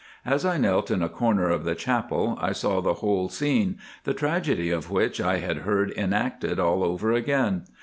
As I knelt in a corner of the chapel I saw the whole scene, the tragedy of which I had heard, enacted all over again.